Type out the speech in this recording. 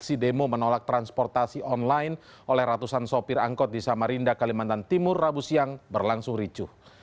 aksi demo menolak transportasi online oleh ratusan sopir angkot di samarinda kalimantan timur rabu siang berlangsung ricuh